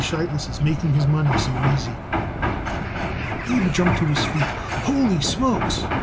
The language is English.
Sheitlis' making his money so easy." Abe jumped to his feet. "Ho ly smokes!"